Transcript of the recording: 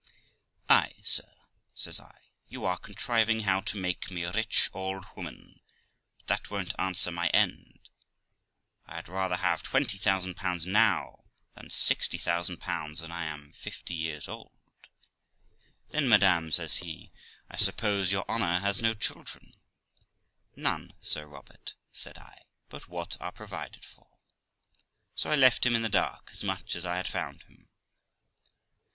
'Ay, sir', says I, 'you are contriving how to make me a rich old woman, but that won't answer my end ; I had rather have 20,000 now than 60,000 when I am fifty years old.' 'Then, madam', says he, 'I suppose your honour has no children?' None, Sir Robert', said I, 'but what are provided for.' So I left him in the dark as much as I found him.